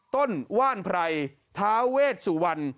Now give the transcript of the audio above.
ต้นว่านไพรทาเวศสุวรรค์